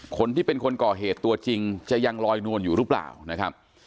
คนที่เป็นคนก่อเหตุตัวจริงจะยังลอยนวลอยู่หรือเปล่านะครับ